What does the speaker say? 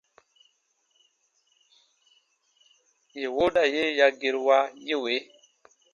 Yè wooda ye ya gerua ye wee :